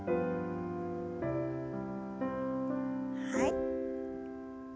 はい。